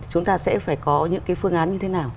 chúng ta sẽ phải có những cái phương án như thế nào